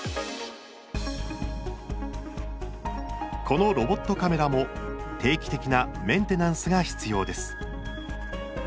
このロボットカメラも定期的なメンテナンスが必要です。